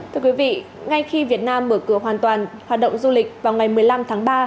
thưa quý vị ngay khi việt nam mở cửa hoàn toàn hoạt động du lịch vào ngày một mươi năm tháng ba